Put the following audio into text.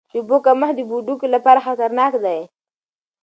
د اوبو کمښت د بډوګو لپاره خطرناک دی.